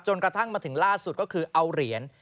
กระทั่งมาถึงล่าสุดก็คือเอาเหรียญ